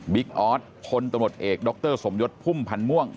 บิ๊กออสคนตำรวจเอกดรสมยศพุ่มพันม่วง